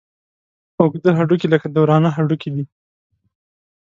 اوږده هډوکي لکه د ورانه هډوکي دي.